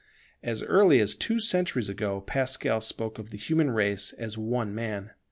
As early as two centuries ago, Pascal spoke of the human race as one Man.